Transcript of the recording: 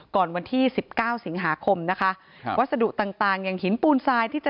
ก่อนวันที่สิบเก้าสิงหาคมนะคะครับวัสดุต่างต่างอย่างหินปูนทรายที่จะ